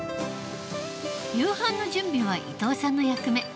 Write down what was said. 夕飯の準備は伊藤さんの役目。